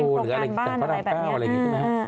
ส่วนใหญ่ก็จะเป็นโครงการบ้านอะไรแบบนี้